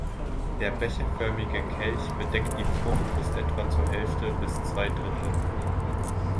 Der becherförmige Kelch bedeckt die Frucht bis etwa zur Hälfte bis zwei Drittel.